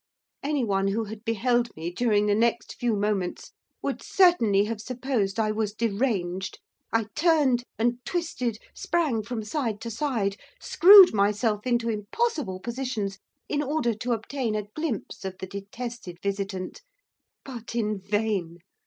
Anyone who had beheld me during the next few moments would certainly have supposed I was deranged. I turned and twisted, sprang from side to side, screwed myself into impossible positions, in order to obtain a glimpse of the detested visitant, but in vain.